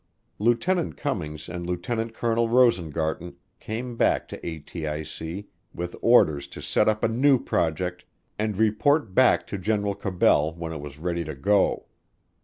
Lieutenant Cummings and Lieutenant Colonel Rosengarten came back to ATIC with orders to set up a new project and report back to General Cabell when it was ready to go.